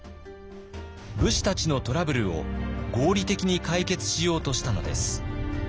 武士たちのトラブルを合理的に解決しようとしたのです。